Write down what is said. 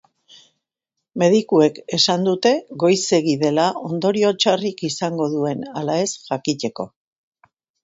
Medikuek esan dute goizegi dela ondorio txarrik izango duen ala ez jakiteko.